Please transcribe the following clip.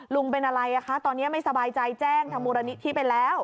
เป็นอะไรอ่ะคะตอนนี้ไม่สบายใจแจ้งทางมูลนิธิไปแล้ว